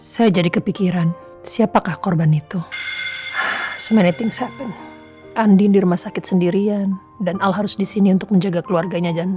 sampai jumpa di video selanjutnya